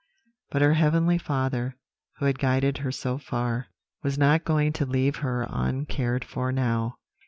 "But her heavenly Father, who had guided her so far, was not going to leave her uncared for now.